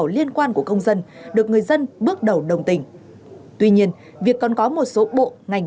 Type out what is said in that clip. liên quan của công dân được người dân bước đầu đồng tình tuy nhiên việc còn có một số bộ ngành